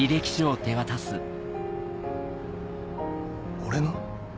俺の？